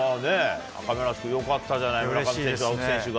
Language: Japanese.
亀梨君、よかったじゃない、村上選手、青木選手が。